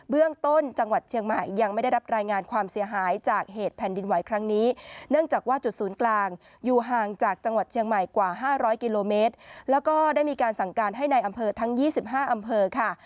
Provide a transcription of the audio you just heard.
เรื่องต้นจังหวัดเชียงใหม่ยังไม่ได้รับรายงานความเสียหายจากเหตุแผ่นดินไหวครั้งนี้เนื่องจากว่าจุดศูนย์กลางอยู่ห่างจากจังหวัดเชียงใหม่กว่า๕๐๐กิโลเมตรแล้วก็ได้มีการสั่งการให้ในอำเภอทั้ง๒๕อำเภอค่ะ